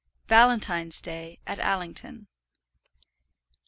VALENTINE'S DAY AT ALLINGTON.